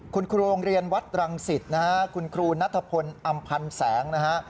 คุณครูโรงเรียนวัดรังสิตนะฮะคุณครูนัทพลอำพันธ์แสงนะฮะ